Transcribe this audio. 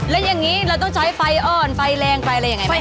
แล้วอย่างนี้เราต้องใช้ไฟอ่อนไฟแรงไฟอะไรยังไงไหมค